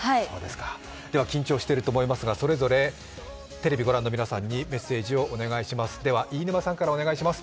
では緊張していると思いますがそれぞれテレビを御覧の皆さんにメッセージをお願いします。